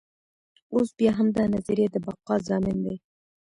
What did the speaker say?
اوس بیا همدا نظریه د بقا ضامن دی.